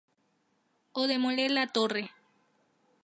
O demoler la torre.